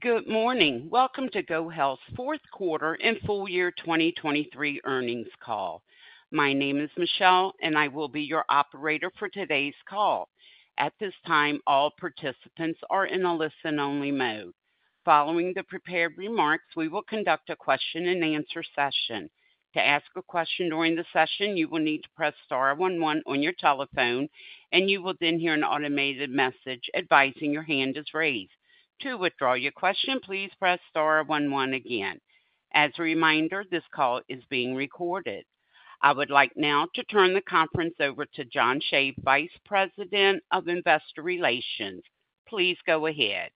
Good morning. Welcome to GoHealth's Q4 and full-year 2023 earnings call. My name is Michelle, and I will be your operator for today's call. At this time, all participants are in a listen-only mode. Following the prepared remarks, we will conduct a Q&A session. To ask a question during the session, you will need to press star one one on your telephone, and you will then hear an automated message advising your hand is raised. To withdraw your question, please press star one one again. As a reminder, this call is being recorded. I would like now to turn the conference over to John Shave, Vice President of Investor Relations. Please go ahead.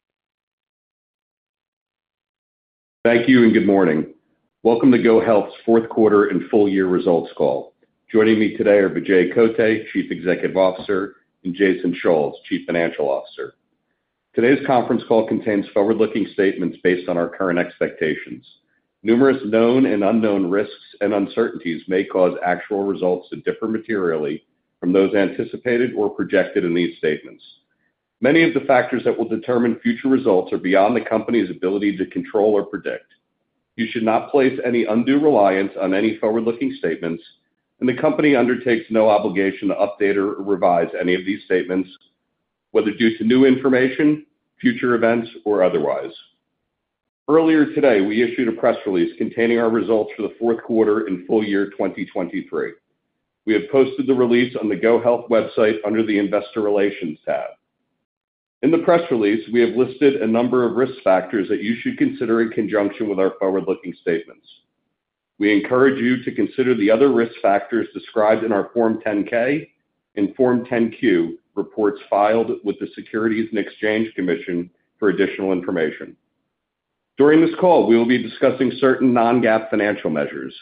Thank you and good morning. Welcome to GoHealth's Q4 and full-year results call. Joining me today are Vijay Kotte, Chief Executive Officer, and Jason Schulz, Chief Financial Officer. Today's conference call contains forward-looking statements based on our current expectations. Numerous known and unknown risks and uncertainties may cause actual results to differ materially from those anticipated or projected in these statements. Many of the factors that will determine future results are beyond the company's ability to control or predict. You should not place any undue reliance on any forward-looking statements, and the company undertakes no obligation to update or revise any of these statements, whether due to new information, future events, or otherwise. Earlier today, we issued a press release containing our results for the Q4 and full-year 2023. We have posted the release on the GoHealth website under the Investor Relations tab. In the press release, we have listed a number of risk factors that you should consider in conjunction with our forward-looking statements. We encourage you to consider the other risk factors described in our Form 10-K and Form 10-Q reports filed with the Securities and Exchange Commission for additional information. During this call, we will be discussing certain non-GAAP financial measures.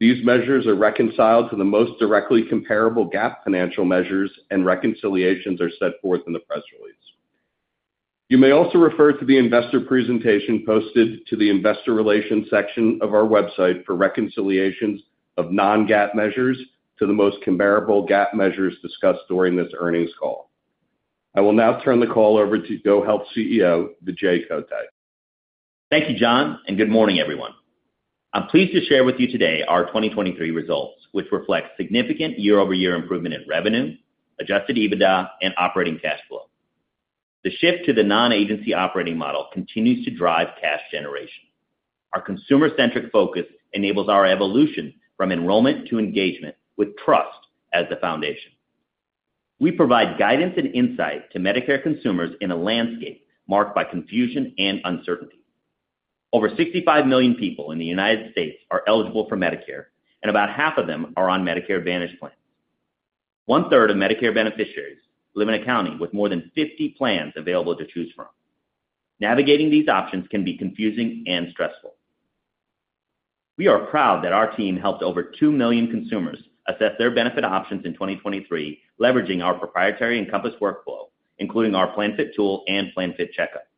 These measures are reconciled to the most directly comparable GAAP financial measures, and reconciliations are set forth in the press release. You may also refer to the investor presentation posted to the Investor Relations section of our website for reconciliations of non-GAAP measures to the most comparable GAAP measures discussed during this earnings call. I will now turn the call over to GoHealth CEO Vijay Kotte. Thank you, John, and good morning, everyone. I'm pleased to share with you today our 2023 results, which reflect significant year-over-year improvement in revenue, Adjusted EBITDA, and operating cash flow. The shift to the non-agency operating model continues to drive cash generation. Our consumer-centric focus enables our evolution from enrollment to engagement with trust as the foundation. We provide guidance and insight to Medicare consumers in a landscape marked by confusion and uncertainty. Over 65 million people in the United States are eligible for Medicare, and about half of them are on Medicare Advantage plans. 1/3 of Medicare beneficiaries live in a county with more than 50 plans available to choose from. Navigating these options can be confusing and stressful. We are proud that our team helped over 2 million consumers assess their benefit options in 2023, leveraging our proprietary Encompass workflow, including our PlanFit tool and PlanFit Checkout.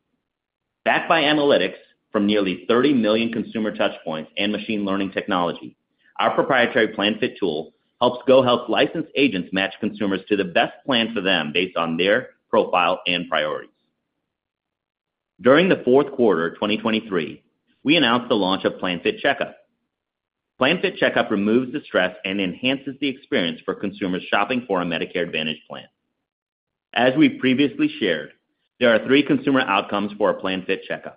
Backed by analytics from nearly 30 million consumer touchpoints and machine learning technology, our proprietary PlanFit tool helps GoHealth licensed agents match consumers to the best plan for them based on their profile and priorities. During the Q4 2023, we announced the launch of PlanFit Checkout. PlanFit Checkout removes the stress and enhances the experience for consumers shopping for a Medicare Advantage plan. As we previously shared, there are three consumer outcomes for a PlanFit Checkout.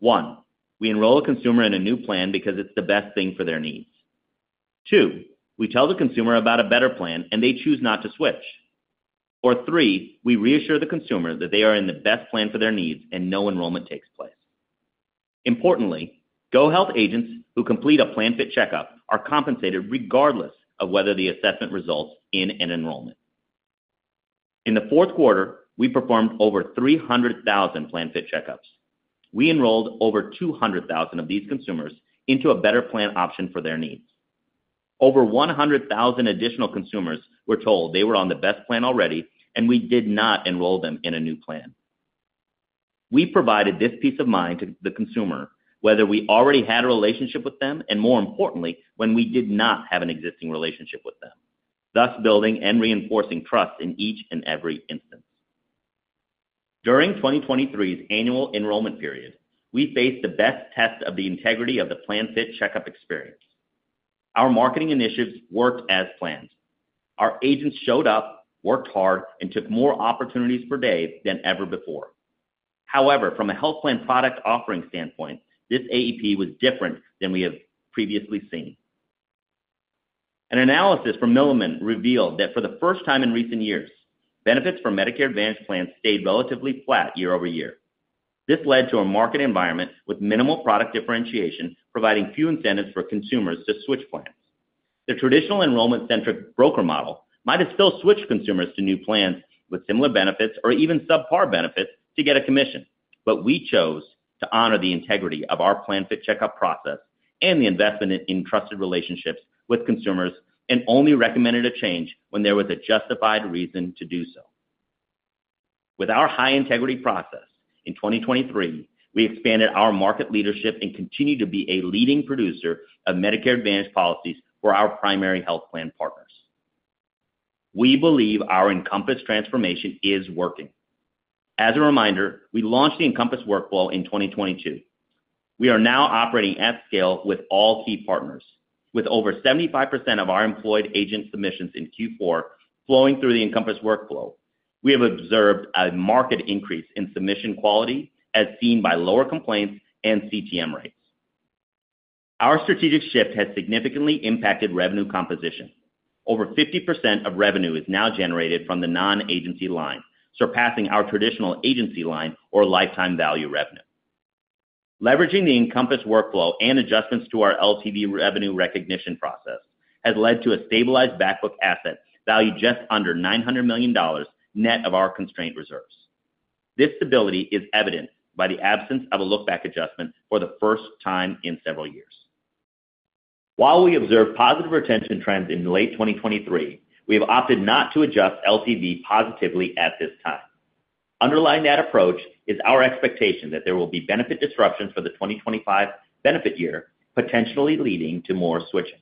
One, we enroll a consumer in a new plan because it's the best thing for their needs. Two, we tell the consumer about a better plan, and they choose not to switch. Or three, we reassure the consumer that they are in the best plan for their needs and no enrollment takes place. Importantly, GoHealth agents who complete a PlanFit Checkout are compensated regardless of whether the assessment results in an enrollment. In the Q4, we performed over 300,000 PlanFit Checkouts. We enrolled over 200,000 of these consumers into a better plan option for their needs. Over 100,000 additional consumers were told they were on the best plan already, and we did not enroll them in a new plan. We provided this peace of mind to the consumer, whether we already had a relationship with them and, more importantly, when we did not have an existing relationship with them, thus building and reinforcing trust in each and every instance. During 2023's annual enrollment period, we faced the best test of the integrity of the PlanFit Checkout experience. Our marketing initiatives worked as planned. Our agents showed up, worked hard, and took more opportunities per day than ever before. However, from a health plan product offering standpoint, this AEP was different than we have previously seen. An analysis from Milliman revealed that for the first time in recent years, benefits for Medicare Advantage plans stayed relatively flat year-over-year. This led to a market environment with minimal product differentiation, providing few incentives for consumers to switch plans. The traditional enrollment-centric broker model might have still switched consumers to new plans with similar benefits or even subpar benefits to get a commission, but we chose to honor the integrity of our PlanFit Checkout process and the investment in trusted relationships with consumers and only recommended a change when there was a justified reason to do so. With our high-integrity process in 2023, we expanded our market leadership and continued to be a leading producer of Medicare Advantage policies for our primary health plan partners. We believe our Encompass transformation is working. As a reminder, we launched the Encompass workflow in 2022. We are now operating at scale with all key partners, with over 75% of our employed agent submissions in Q4 flowing through the Encompass workflow. We have observed a marked increase in submission quality, as seen by lower complaints and CTM rates. Our strategic shift has significantly impacted revenue composition. Over 50% of revenue is now generated from the non-agency line, surpassing our traditional agency line or lifetime value revenue. Leveraging the Encompass workflow and adjustments to our LTV revenue recognition process has led to a stabilized backbook asset valued just under $900 million net of our constraint reserves. This stability is evident by the absence of a look-back adjustment for the first time in several years. While we observe positive retention trends in late 2023, we have opted not to adjust LTV positively at this time. Underlying that approach is our expectation that there will be benefit disruptions for the 2025 benefit year, potentially leading to more switching.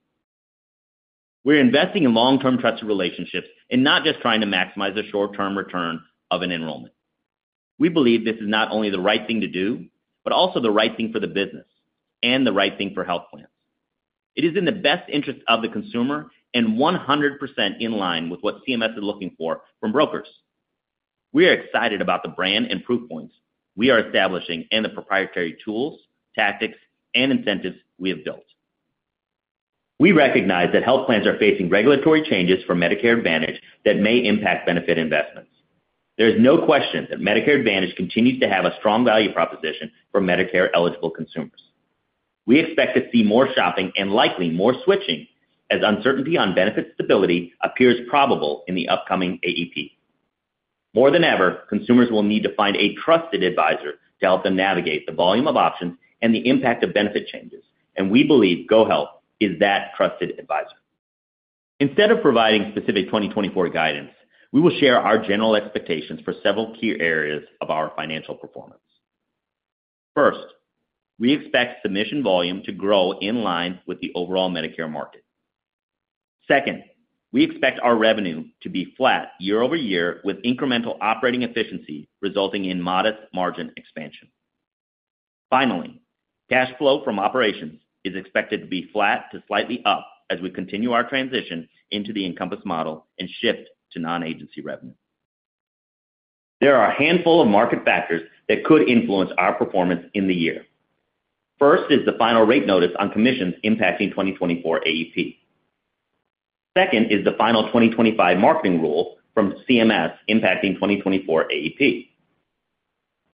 We're investing in long-term trusted relationships and not just trying to maximize the short-term return of an enrollment. We believe this is not only the right thing to do but also the right thing for the business and the right thing for health plans. It is in the best interest of the consumer and 100% in line with what CMS is looking for from brokers. We are excited about the brand and proof points we are establishing and the proprietary tools, tactics, and incentives we have built. We recognize that health plans are facing regulatory changes for Medicare Advantage that may impact benefit investments. There is no question that Medicare Advantage continues to have a strong value proposition for Medicare-eligible consumers. We expect to see more shopping and likely more switching as uncertainty on benefit stability appears probable in the upcoming AEP. More than ever, consumers will need to find a trusted advisor to help them navigate the volume of options and the impact of benefit changes, and we believe GoHealth is that trusted advisor. Instead of providing specific 2024 guidance, we will share our general expectations for several key areas of our financial performance. First, we expect submission volume to grow in line with the overall Medicare market. Second, we expect our revenue to be flat year-over-year with incremental operating efficiency resulting in modest margin expansion. Finally, cash flow from operations is expected to be flat to slightly up as we continue our transition into the Encompass model and shift to non-agency revenue. There are a handful of market factors that could influence our performance in the year. First is the final rate notice on commissions impacting 2024 AEP. Second is the final 2025 marketing rule from CMS impacting 2024 AEP.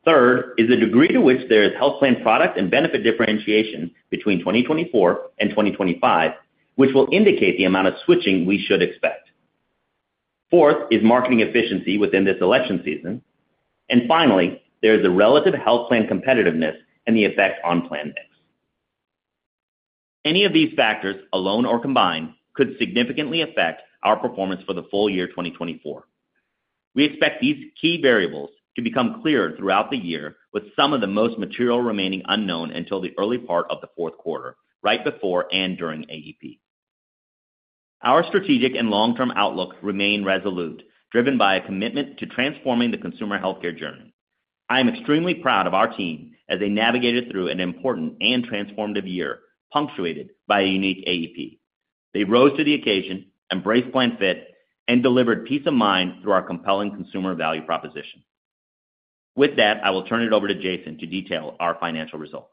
Third is the degree to which there is health plan product and benefit differentiation between 2024 and 2025, which will indicate the amount of switching we should expect. Fourth is marketing efficiency within this election season. And finally, there is the relative health plan competitiveness and the effect on plan mix. Any of these factors, alone or combined, could significantly affect our performance for the full year 2024. We expect these key variables to become clear throughout the year, with some of the most material remaining unknown until the early part of the Q4, right before and during AEP. Our strategic and long-term outlook remain resolute, driven by a commitment to transforming the consumer healthcare journey. I am extremely proud of our team as they navigated through an important and transformative year punctuated by a unique AEP. They rose to the occasion, embraced PlanFit, and delivered peace of mind through our compelling consumer value proposition. With that, I will turn it over to Jason to detail our financial results.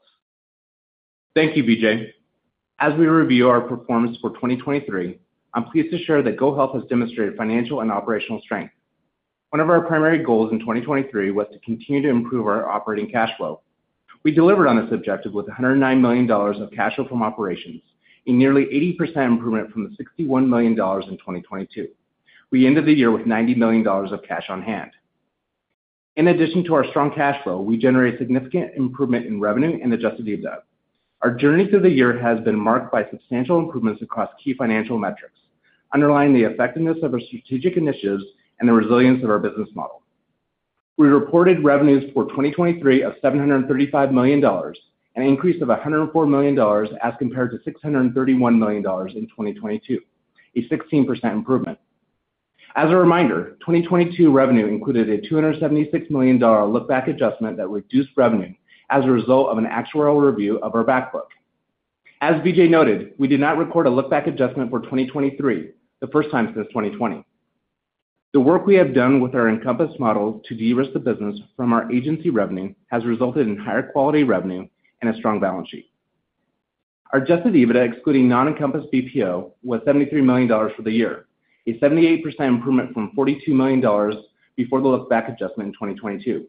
Thank you, Vijay. As we review our performance for 2023, I'm pleased to share that GoHealth has demonstrated financial and operational strength. One of our primary goals in 2023 was to continue to improve our operating cash flow. We delivered on this objective with $109 million of cash flow from operations and nearly 80% improvement from the $61 million in 2022. We ended the year with $90 million of cash on hand. In addition to our strong cash flow, we generate significant improvement in revenue and Adjusted EBITDA. Our journey through the year has been marked by substantial improvements across key financial metrics, underlying the effectiveness of our strategic initiatives and the resilience of our business model. We reported revenues for 2023 of $735 million, an increase of $104 million as compared to $631 million in 2022, a 16% improvement. As a reminder, 2022 revenue included a $276 million look-back adjustment that reduced revenue as a result of an actuarial review of our backbook. As Vijay noted, we did not record a look-back adjustment for 2023, the first time since 2020. The work we have done with our Encompass models to de-risk the business from our agency revenue has resulted in higher quality revenue and a strong balance sheet. Our Adjusted EBITDA, excluding non-Encompass BPO, was $73 million for the year, a 78% improvement from $42 million before the look-back adjustment in 2022.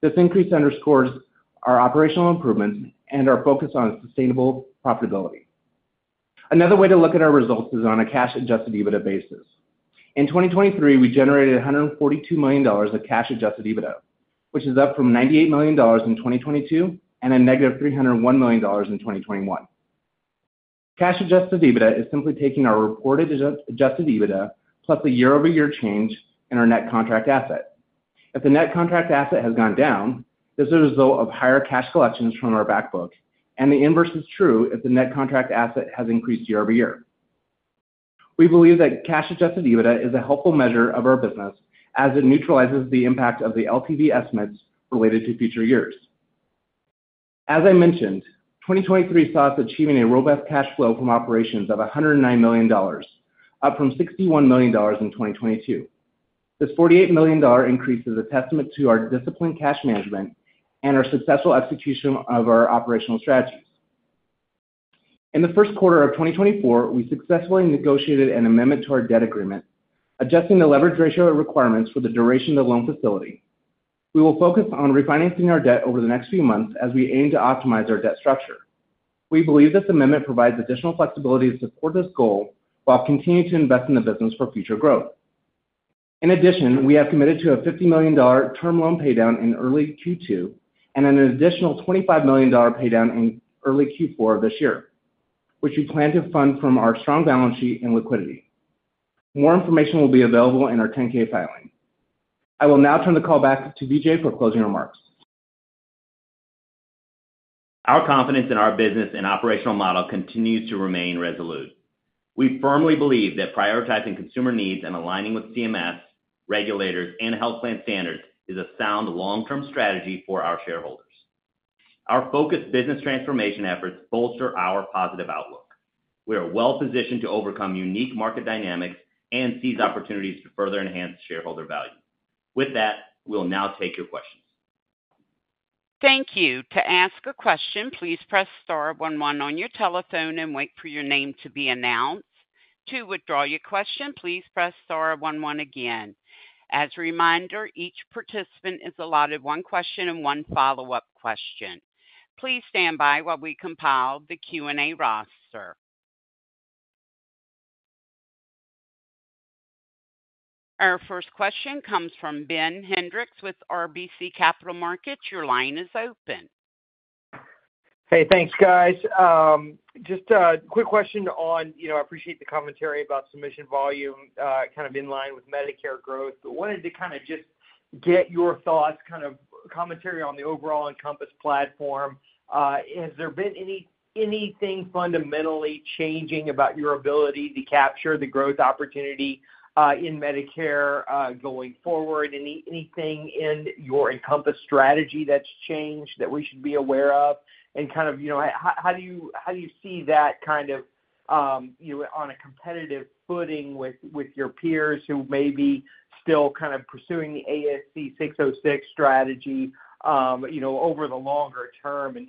This increase underscores our operational improvements and our focus on sustainable profitability. Another way to look at our results is on a cash-adjusted EBITDA basis. In 2023, we generated $142 million of cash-adjusted EBITDA, which is up from $98 million in 2022 and a negative $301 million in 2021. Cash-adjusted EBITDA is simply taking our reported adjusted EBITDA plus a year-over-year change in our net contract asset. If the net contract asset has gone down, this is a result of higher cash collections from our backbook, and the inverse is true if the net contract asset has increased year-over-year. We believe that cash-adjusted EBITDA is a helpful measure of our business as it neutralizes the impact of the LTV estimates related to future years. As I mentioned, 2023 saw us achieving a robust cash flow from operations of $109 million, up from $61 million in 2022. This $48 million increase is a testament to our disciplined cash management and our successful execution of our operational strategies. In the Q1 of 2024, we successfully negotiated an amendment to our debt agreement, adjusting the leverage ratio of requirements for the duration of the loan facility. We will focus on refinancing our debt over the next few months as we aim to optimize our debt structure. We believe this amendment provides additional flexibility to support this goal while continuing to invest in the business for future growth. In addition, we have committed to a $50 million term loan paydown in early Q2 and an additional $25 million paydown in early Q4 of this year, which we plan to fund from our strong balance sheet and liquidity. More information will be available in our 10-K filing. I will now turn the call back to Vijay for closing remarks. Our confidence in our business and operational model continues to remain resolute. We firmly believe that prioritizing consumer needs and aligning with CMS, regulators, and health plan standards is a sound long-term strategy for our shareholders. Our focused business transformation efforts bolster our positive outlook. We are well-positioned to overcome unique market dynamics and seize opportunities to further enhance shareholder value. With that, we will now take your questions. Thank you. To ask a question, please press star one one on your telephone and wait for your name to be announced. To withdraw your question, please press star one one again. As a reminder, each participant is allotted one question and one follow-up question. Please stand by while we compile the Q&A roster. Our first question comes from Ben Hendrix with RBC Capital Markets. Your line is open. Hey, thanks, guys. Just a quick question. I appreciate the commentary about submission volume, kind of in line with Medicare growth, but wanted to kind of just get your thoughts, kind of commentary on the overall Encompass platform. Has there been anything fundamentally changing about your ability to capture the growth opportunity in Medicare going forward? Anything in your Encompass strategy that's changed that we should be aware of? And kind of how do you see that kind of on a competitive footing with your peers who may be still kind of pursuing the ASC 606 strategy over the longer term? And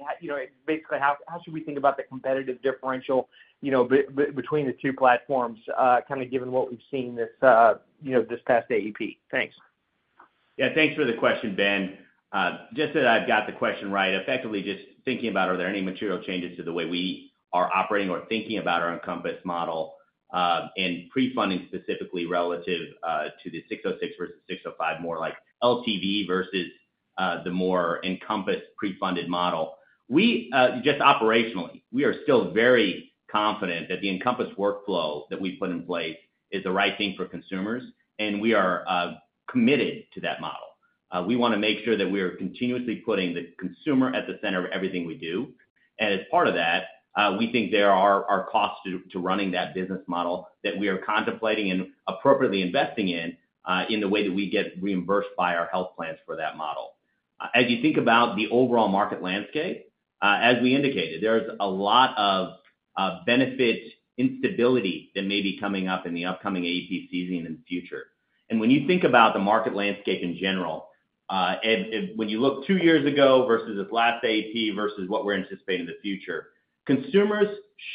basically, how should we think about the competitive differential between the two platforms, kind of given what we've seen this past AEP? Thanks. Yeah, thanks for the question, Ben. Just that I've got the question right. Effectively, just thinking about, are there any material changes to the way we are operating or thinking about our Encompass model and pre-funding specifically relative to the ASC 606 versus ASC 605, more like LTV versus the more Encompass pre-funded model? Just operationally, we are still very confident that the Encompass workflow that we put in place is the right thing for consumers, and we are committed to that model. We want to make sure that we are continuously putting the consumer at the center of everything we do. And as part of that, we think there are costs to running that business model that we are contemplating and appropriately investing in in the way that we get reimbursed by our health plans for that model. As you think about the overall market landscape, as we indicated, there's a lot of benefit instability that may be coming up in the upcoming AEP season and in the future. And when you think about the market landscape in general, when you look two years ago versus this last AEP versus what we're anticipating in the future, consumers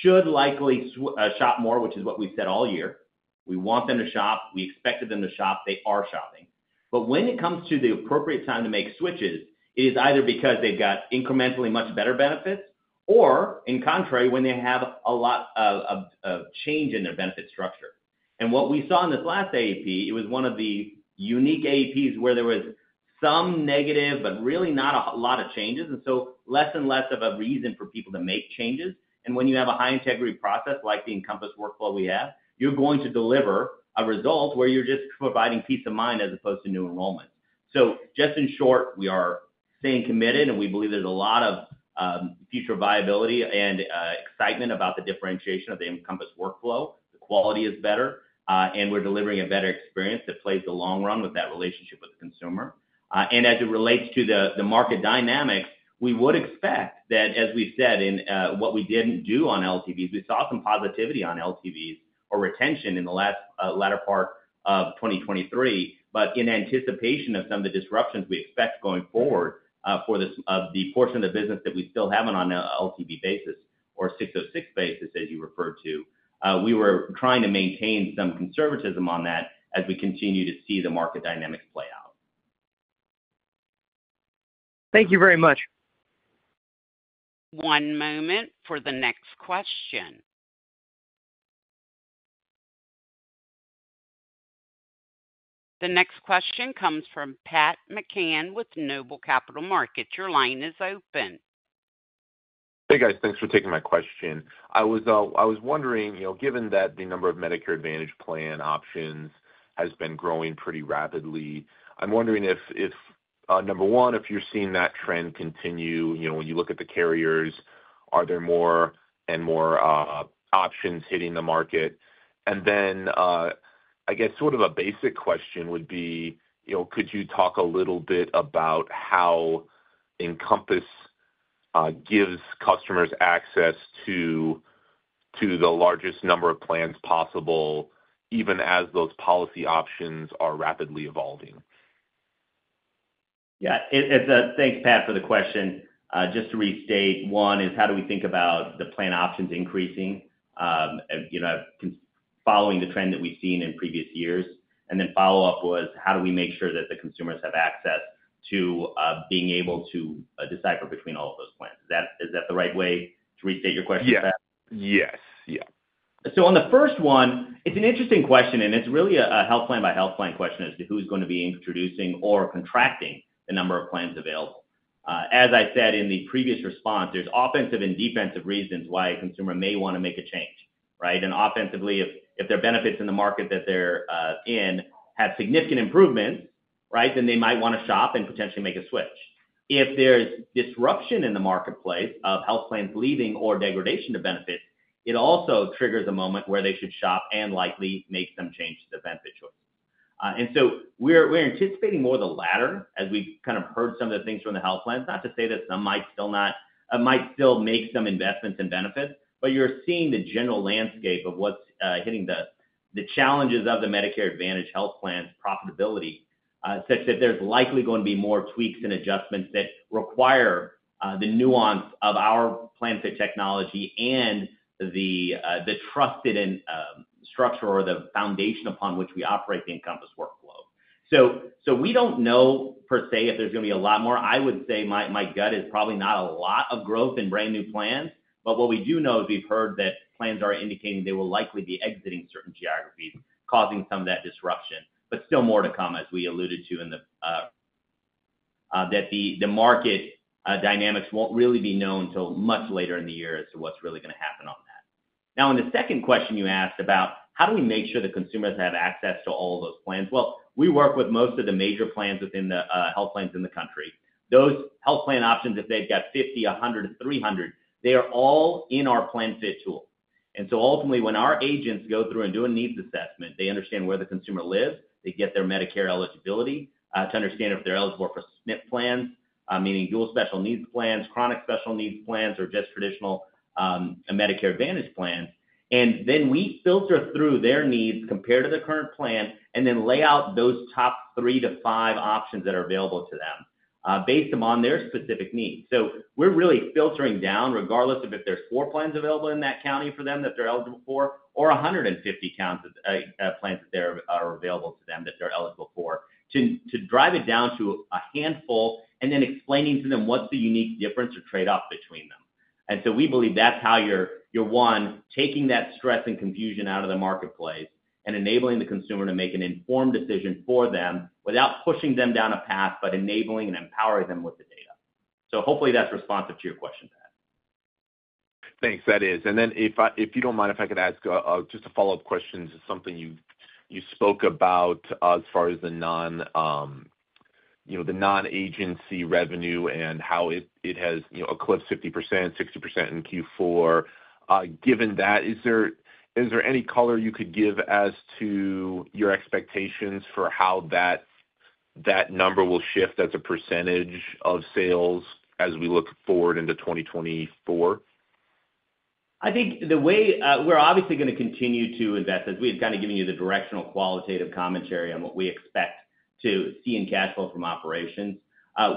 should likely shop more, which is what we've said all year. We want them to shop. We expected them to shop. They are shopping. But when it comes to the appropriate time to make switches, it is either because they've got incrementally much better benefits or, in contrary, when they have a lot of change in their benefit structure. What we saw in this last AEP, it was one of the unique AEPs where there was some negative but really not a lot of changes, and so less and less of a reason for people to make changes. When you have a high-integrity process like the Encompass workflow we have, you're going to deliver a result where you're just providing peace of mind as opposed to new enrollment. So just in short, we are staying committed, and we believe there's a lot of future viability and excitement about the differentiation of the Encompass workflow. The quality is better, and we're delivering a better experience that plays in the long run with that relationship with the consumer. As it relates to the market dynamics, we would expect that, as we've said in what we didn't do on LTVs, we saw some positivity on LTVs or retention in the latter part of 2023. In anticipation of some of the disruptions we expect going forward for the portion of the business that we still haven't on an LTV basis or ASC 606 basis, as you referred to, we were trying to maintain some conservatism on that as we continue to see the market dynamics play out. Thank you very much. One moment for the next question. The next question comes from Pat McCann with Noble Capital Markets. Your line is open. Hey, guys. Thanks for taking my question. I was wondering, given that the number of Medicare Advantage plan options has been growing pretty rapidly, I'm wondering if, number one, if you're seeing that trend continue, when you look at the carriers, are there more and more options hitting the market? Then I guess sort of a basic question would be, could you talk a little bit about how Encompass gives customers access to the largest number of plans possible, even as those policy options are rapidly evolving? Yeah. Thanks, Pat, for the question. Just to restate, one is how do we think about the plan options increasing following the trend that we've seen in previous years? And then follow-up was, how do we make sure that the consumers have access to being able to decipher between all of those plans? Is that the right way to restate your question, Pat? Yes. Yes. Yeah. So on the first one, it's an interesting question, and it's really a health plan by health plan question as to who's going to be introducing or contracting the number of plans available. As I said in the previous response, there's offensive and defensive reasons why a consumer may want to make a change, right? And offensively, if there are benefits in the market that they're in have significant improvements, right, then they might want to shop and potentially make a switch. If there's disruption in the marketplace of health plans leaving or degradation of benefits, it also triggers a moment where they should shop and likely make some change to the benefit choice. So we're anticipating more the latter as we've kind of heard some of the things from the health plans, not to say that some might still make some investments in benefits, but you're seeing the general landscape of what's hitting the challenges of the Medicare Advantage health plans profitability, such that there's likely going to be more tweaks and adjustments that require the nuance of our PlanFit technology and the trusted structure or the foundation upon which we operate the Encompass workflow. So we don't know per se if there's going to be a lot more. I would say my gut is probably not a lot of growth in brand new plans, but what we do know is we've heard that plans are indicating they will likely be exiting certain geographies, causing some of that disruption. But still more to come, as we alluded to that the market dynamics won't really be known until much later in the year as to what's really going to happen on that. Now, in the second question you asked about, how do we make sure the consumers have access to all of those plans? Well, we work with most of the major plans within the health plans in the country. Those health plan options, if they've got 50, 100, 300, they are all in our PlanFit tool. And so ultimately, when our agents go through and do a needs assessment, they understand where the consumer lives. They get their Medicare eligibility to understand if they're eligible for SNP plans, meaning dual special needs plans, chronic special needs plans, or just traditional Medicare Advantage plans. And then we filter through their needs compared to the current plan and then lay out those top three to five options that are available to them based upon their specific needs. So we're really filtering down, regardless of if there's four plans available in that county for them that they're eligible for or 150 plans that are available to them that they're eligible for, to drive it down to a handful and then explaining to them what's the unique difference or trade-off between them. And so we believe that's how you're, one, taking that stress and confusion out of the marketplace and enabling the consumer to make an informed decision for them without pushing them down a path, but enabling and empowering them with the data. So hopefully, that's responsive to your question, Pat. Thanks. That is. And then if you don't mind if I could ask just a follow-up question to something you spoke about as far as the non-agency revenue and how it has eclipsed 50%-60% in Q4. Given that, is there any color you could give as to your expectations for how that number will shift as a percentage of sales as we look forward into 2024? I think the way we're obviously going to continue to invest as we had kind of given you the directional qualitative commentary on what we expect to see in cash flow from operations.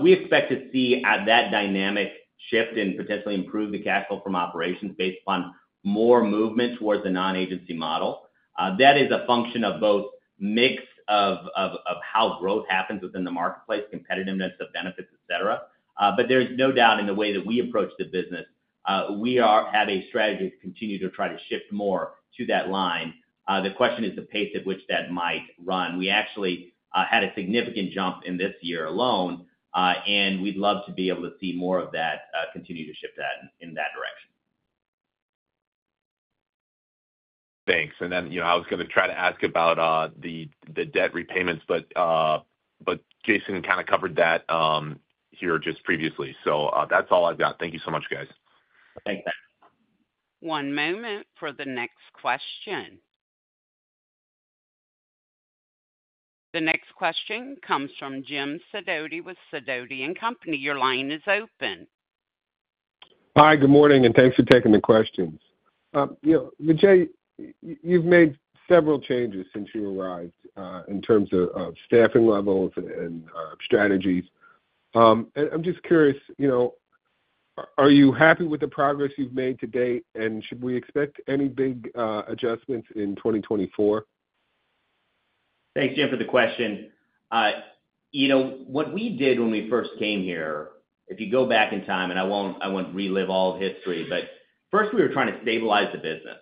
We expect to see that dynamic shift and potentially improve the cash flow from operations based upon more movement towards the non-agency model. That is a function of both mix of how growth happens within the marketplace, competitiveness of benefits, etc. But there's no doubt in the way that we approach the business, we have a strategy to continue to try to shift more to that line. The question is the pace at which that might run. We actually had a significant jump in this year alone, and we'd love to be able to see more of that continue to shift in that direction. Thanks. And then I was going to try to ask about the debt repayments, but Jason kind of covered that here just previously. So that's all I've got. Thank you so much, guys. Thanks, Pat. One moment for the next question. The next question comes from Jim Sidoti with Sidoti and Company. Your line is open. Hi. Good morning, and thanks for taking the questions. Vijay, you've made several changes since you arrived in terms of staffing levels and strategies. I'm just curious, are you happy with the progress you've made to date, and should we expect any big adjustments in 2024? Thanks, Jim, for the question. What we did when we first came here, if you go back in time and I won't relive all of history, but first, we were trying to stabilize the business,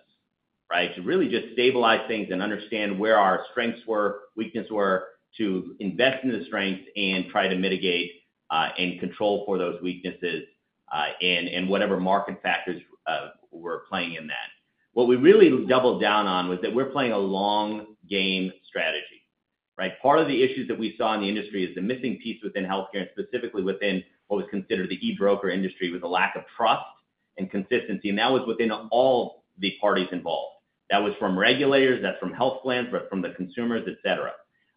right, to really just stabilize things and understand where our strengths were, weaknesses were, to invest in the strengths and try to mitigate and control for those weaknesses and whatever market factors were playing in that. What we really doubled down on was that we're playing a long-game strategy, right? Part of the issues that we saw in the industry is the missing piece within healthcare, and specifically within what was considered the e-broker industry, was a lack of trust and consistency. That was within all the parties involved. That was from regulators. That's from health plans, but from the consumers, etc.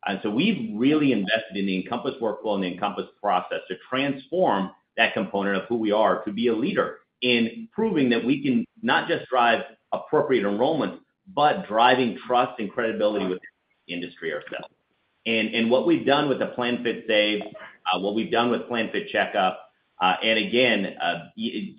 And so we've really invested in the Encompass workflow and the Encompass process to transform that component of who we are to be a leader in proving that we can not just drive appropriate enrollment, but driving trust and credibility within the industry ourselves. What we've done with the PlanFit Save, what we've done with PlanFit Checkup, and again,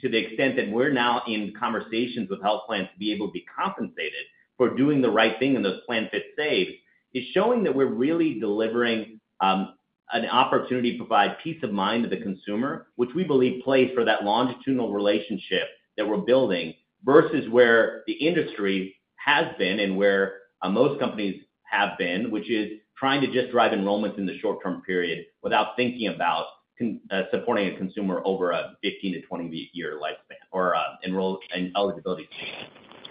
to the extent that we're now in conversations with health plans to be able to be compensated for doing the right thing in those PlanFit Saves, is showing that we're really delivering an opportunity to provide peace of mind to the consumer, which we believe plays for that longitudinal relationship that we're building versus where the industry has been and where most companies have been, which is trying to just drive enrollments in the short-term period without thinking about supporting a consumer over a 15-20-year lifespan or an eligibility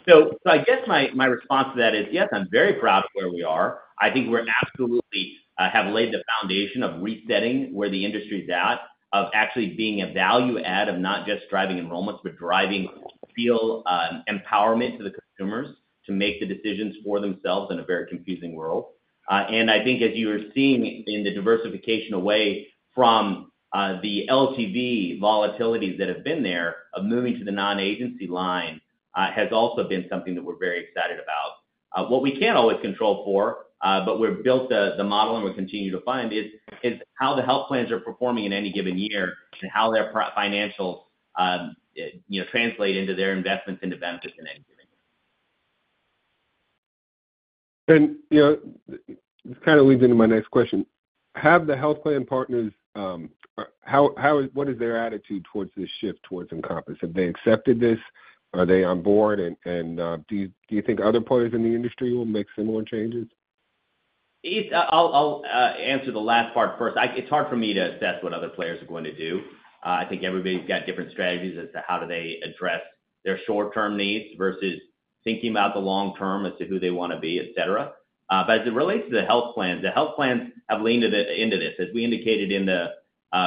status. I guess my response to that is, yes, I'm very proud of where we are. I think we absolutely have laid the foundation of resetting where the industry is at, of actually being a value add, of not just driving enrollments, but driving real empowerment to the consumers to make the decisions for themselves in a very confusing world. And I think, as you were seeing in the diversification away from the LTV volatilities that have been there, of moving to the non-agency line has also been something that we're very excited about. What we can't always control for, but we've built the model and we're continuing to find, is how the health plans are performing in any given year and how their financials translate into their investments into benefits in any given year. This kind of leads into my next question. Have the health plan partners? What is their attitude towards this shift towards Encompass? Are they on board? And do you think other players in the industry will make similar changes? I'll answer the last part first. It's hard for me to assess what other players are going to do. I think everybody's got different strategies as to how do they address their short-term needs versus thinking about the long-term as to who they want to be, etc. But as it relates to the health plans, the health plans have leaned into this. As we indicated in the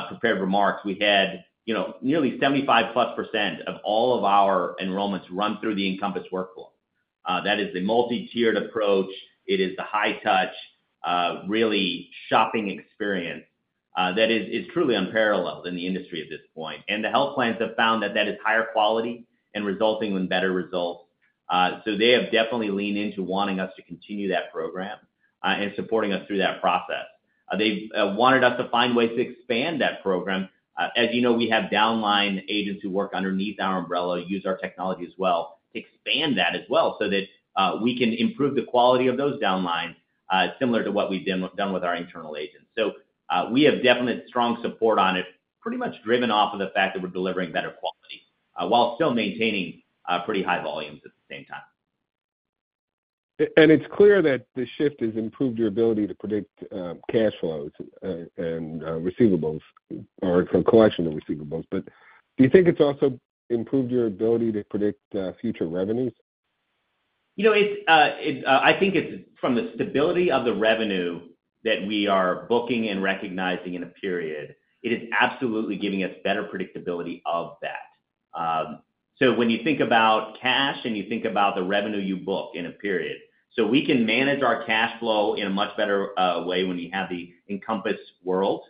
prepared remarks, we had nearly 75%+ of all of our enrollments run through the Encompass workflow. That is the multi-tiered approach. It is the high-touch, really shopping experience that is truly unparalleled in the industry at this point. The health plans have found that that is higher quality and resulting in better results. They have definitely leaned into wanting us to continue that program and supporting us through that process. They've wanted us to find ways to expand that program. As you know, we have downline agents who work underneath our umbrella, use our technology as well, to expand that as well so that we can improve the quality of those downlines similar to what we've done with our internal agents. So we have definite strong support on it, pretty much driven off of the fact that we're delivering better quality while still maintaining pretty high volumes at the same time. It's clear that the shift has improved your ability to predict cash flows and receivables or collection of receivables. Do you think it's also improved your ability to predict future revenues? I think it's from the stability of the revenue that we are booking and recognizing in a period. It is absolutely giving us better predictability of that. So when you think about cash and you think about the revenue you book in a period, so we can manage our cash flow in a much better way when you have the Encompass world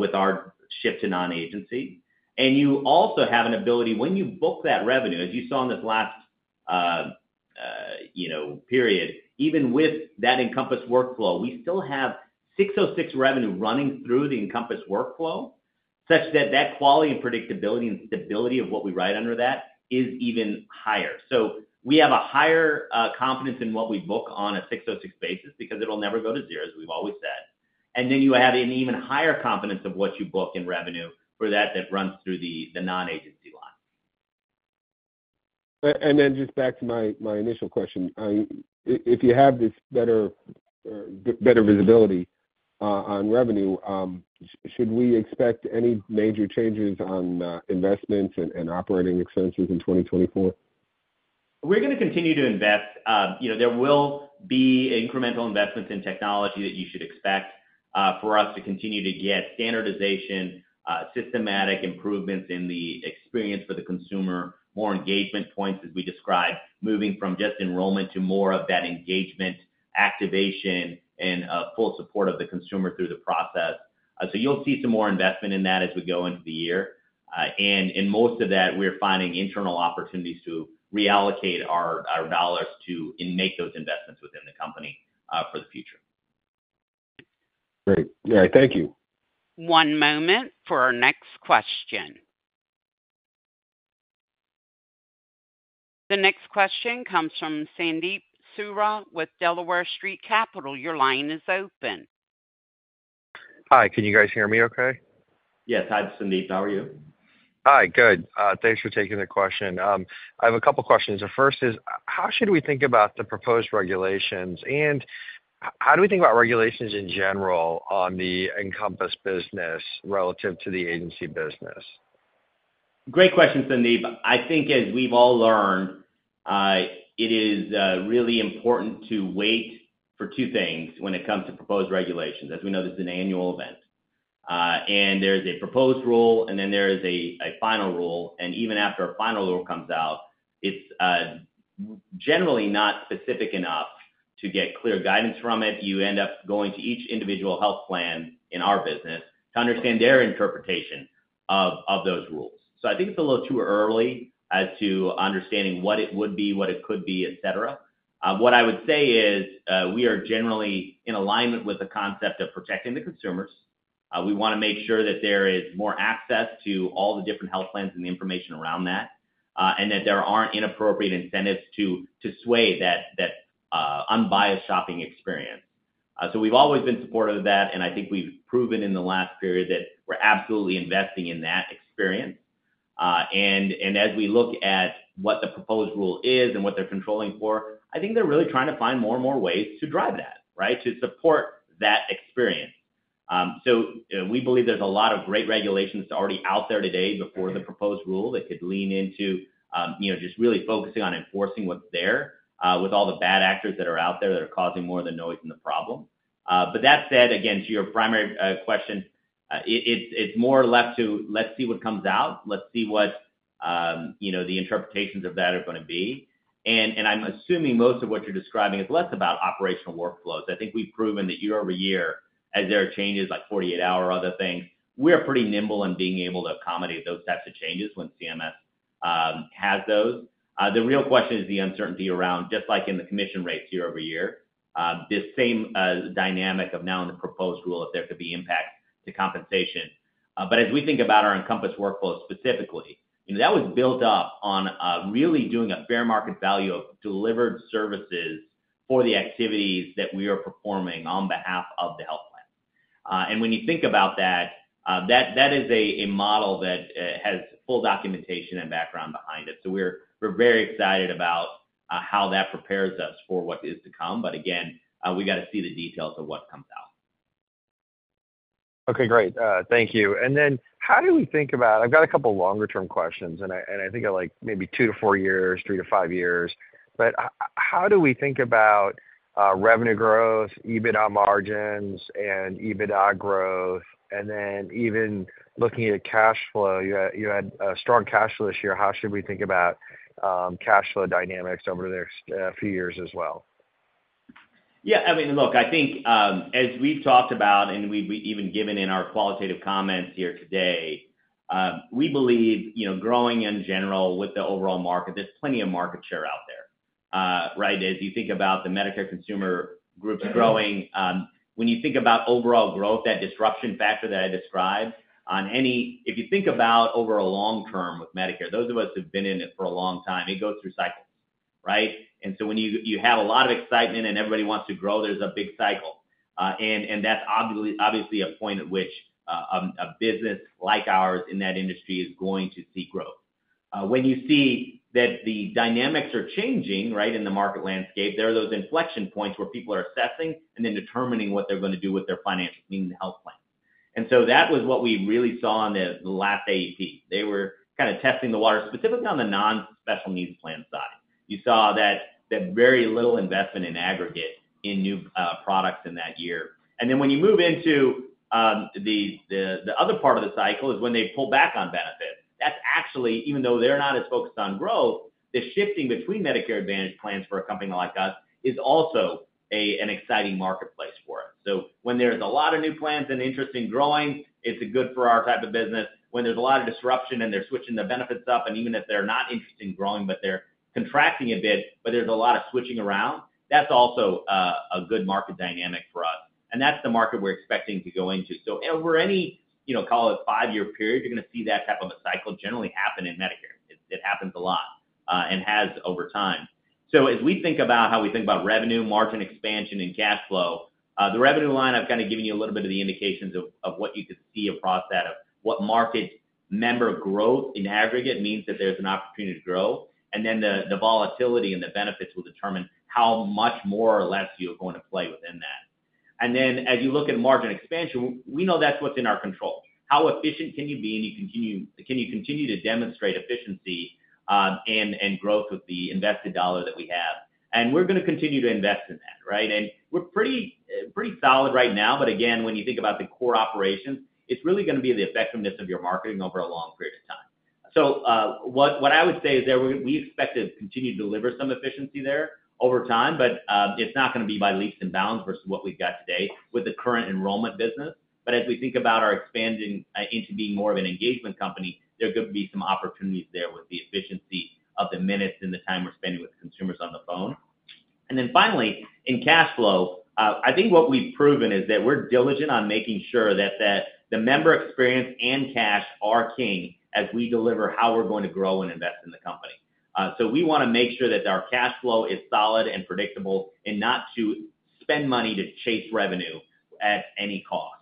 with our shift to non-agency. And you also have an ability when you book that revenue, as you saw in this last period, even with that Encompass workflow, we still have ASC 606 revenue running through the Encompass workflow, such that that quality and predictability and stability of what we write under that is even higher. So we have a higher confidence in what we book on a ASC 606 basis because it'll never go to zero, as we've always said. Then you have an even higher confidence of what you book in revenue for that runs through the non-agency line. And then just back to my initial question, if you have this better visibility on revenue, should we expect any major changes on investments and operating expenses in 2024? We're going to continue to invest. There will be incremental investments in technology that you should expect for us to continue to get standardization, systematic improvements in the experience for the consumer, more engagement points, as we described, moving from just enrollment to more of that engagement, activation, and full support of the consumer through the process. You'll see some more investment in that as we go into the year. In most of that, we're finding internal opportunities to reallocate our dollars to and make those investments within the company for the future. Great. All right. Thank you. One moment for our next question. The next question comes from Sandeep Soorya with Delaware Street Capital. Your line is open. Hi. Can you guys hear me okay? Yes. Hi, it's Sandeep. How are you? Hi. Good. Thanks for taking the question. I have a couple of questions. The first is, how should we think about the proposed regulations? And how do we think about regulations in general on the Encompass business relative to the agency business? Great question, Sandeep. I think, as we've all learned, it is really important to wait for two things when it comes to proposed regulations. As we know, this is an annual event. There's a proposed rule, and then there is a final rule. Even after a final rule comes out, it's generally not specific enough to get clear guidance from it. You end up going to each individual health plan in our business to understand their interpretation of those rules. So I think it's a little too early as to understanding what it would be, what it could be, etc. What I would say is we are generally in alignment with the concept of protecting the consumers. We want to make sure that there is more access to all the different health plans and the information around that and that there aren't inappropriate incentives to sway that unbiased shopping experience. So we've always been supportive of that, and I think we've proven in the last period that we're absolutely investing in that experience. And as we look at what the proposed rule is and what they're controlling for, I think they're really trying to find more and more ways to drive that, right, to support that experience. So we believe there's a lot of great regulations already out there today before the proposed rule that could lean into just really focusing on enforcing what's there with all the bad actors that are out there that are causing more of the noise and the problem. But that said, again, to your primary question, it's more left to let's see what comes out. Let's see what the interpretations of that are going to be. And I'm assuming most of what you're describing is less about operational workflows. I think we've proven that year-over-year, as there are changes like 48-hour or other things, we are pretty nimble in being able to accommodate those types of changes when CMS has those. The real question is the uncertainty around, just like in the commission rates year-over-year, the same dynamic of now in the proposed rule if there could be impacts to compensation. But as we think about our Encompass workflow specifically, that was built up on really doing a fair market value of delivered services for the activities that we are performing on behalf of the health plan. When you think about that, that is a model that has full documentation and background behind it. We're very excited about how that prepares us for what is to come. But again, we got to see the details of what comes out. Okay. Great. Thank you. And then how do we think about? I've got a couple of longer-term questions, and I think of maybe two to four years, three to five years. But how do we think about revenue growth, EBITDA margins, and EBITDA growth? And then even looking at cash flow, you had a strong cash flow this year. How should we think about cash flow dynamics over the next few years as well? Yeah. I mean, look, I think as we've talked about and we've even given in our qualitative comments here today, we believe growing in general with the overall market, there's plenty of market share out there, right? As you think about the Medicare consumer groups growing, when you think about overall growth, that disruption factor that I described anyway if you think about over a long-term with Medicare, those of us who've been in it for a long time, it goes through cycles, right? And so when you have a lot of excitement and everybody wants to grow, there's a big cycle. And that's obviously a point at which a business like ours in that industry is going to seek growth. When you see that the dynamics are changing, right, in the market landscape, there are those inflection points where people are assessing and then determining what they're going to do with their financials meaning the health plans. And so that was what we really saw on the last AEP. They were kind of testing the water, specifically on the non-special needs plan side. You saw that very little investment in aggregate in new products in that year. And then when you move into the other part of the cycle is when they pull back on benefits. That's actually, even though they're not as focused on growth, the shifting between Medicare Advantage plans for a company like us is also an exciting marketplace for us. So when there's a lot of new plans and interest in growing, it's good for our type of business. When there's a lot of disruption and they're switching the benefits up, and even if they're not interested in growing, but they're contracting a bit, but there's a lot of switching around, that's also a good market dynamic for us. And that's the market we're expecting to go into. So over any, call it, five-year period, you're going to see that type of a cycle generally happen in Medicare. It happens a lot and has over time. So as we think about how we think about revenue, margin expansion, and cash flow, the revenue line, I've kind of given you a little bit of the indications of what you could see across that of what market member growth in aggregate means that there's an opportunity to grow. And then the volatility and the benefits will determine how much more or less you're going to play within that. And then as you look at margin expansion, we know that's what's in our control. How efficient can you be? And can you continue to demonstrate efficiency and growth with the invested dollar that we have? And we're going to continue to invest in that, right? And we're pretty solid right now. But again, when you think about the core operations, it's really going to be the effectiveness of your marketing over a long period of time. So what I would say is that we expect to continue to deliver some efficiency there over time, but it's not going to be by leaps and bounds versus what we've got today with the current enrollment business. But as we think about our expanding into being more of an engagement company, there could be some opportunities there with the efficiency of the minutes and the time we're spending with consumers on the phone. And then finally, in cash flow, I think what we've proven is that we're diligent on making sure that the member experience and cash are king as we deliver how we're going to grow and invest in the company. So we want to make sure that our cash flow is solid and predictable and not to spend money to chase revenue at any cost.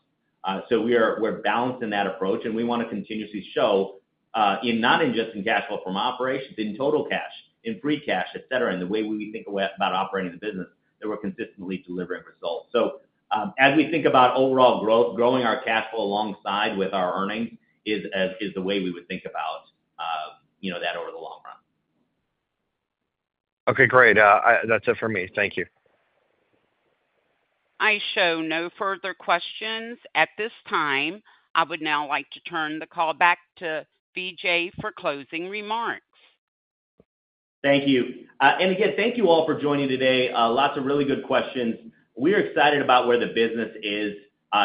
So we're balancing that approach, and we want to continuously show, not in just in cash flow from operations, in total cash, in free cash, etc., in the way we think about operating the business that we're consistently delivering results. So as we think about overall growth, growing our cash flow alongside with our earnings is the way we would think about that over the long run. Okay. Great. That's it for me. Thank you. I show no further questions at this time. I would now like to turn the call back to Vijay for closing remarks. Thank you. And again, thank you all for joining today. Lots of really good questions. We're excited about where the business is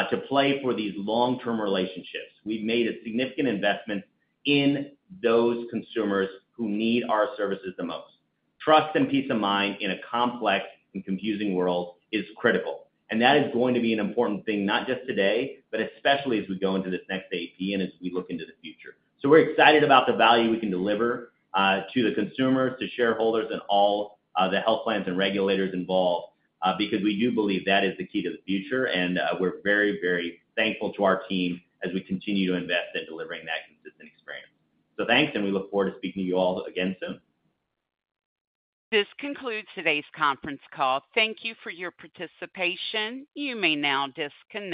to play for these long-term relationships. We've made a significant investment in those consumers who need our services the most. Trust and peace of mind in a complex and confusing world is critical. And that is going to be an important thing, not just today, but especially as we go into this next AEP and as we look into the future. So we're excited about the value we can deliver to the consumers, to shareholders, and all the health plans and regulators involved because we do believe that is the key to the future. And we're very thankful to our team as we continue to invest in delivering that consistent experience. So thanks, and we look forward to speaking to you all again soon. This concludes today's conference call. Thank you for your participation. You may now disconnect.